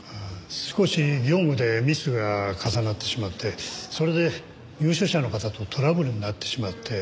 少し業務でミスが重なってしまってそれで入所者の方とトラブルになってしまって。